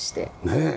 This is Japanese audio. ねえ。